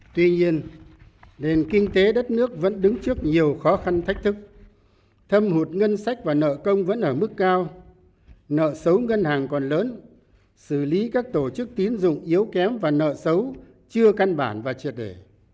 tuy nhiên nền kinh tế đất nước vẫn đứng trước nhiều khó khăn thách thức thâm hụt ngân sách và nợ công vẫn ở mức cao nợ xấu ngân hàng còn lớn xử lý các tổ chức tín dụng yếu kém và nợ xấu chưa căn bản và triệt đề